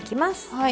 はい。